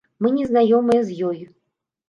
Мы не знаёмыя з ёй.